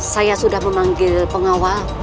saya sudah memanggil pengawal